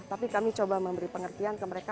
tapi kami coba memberi pengertian ke mereka